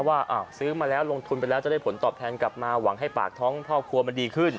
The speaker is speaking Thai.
ว่าซื้อมาแล้วลงทุนไปแล้วจะได้ผลตอบแทนกลับมาหวังให้ปากท้องพ่อครัวมันดีขึ้น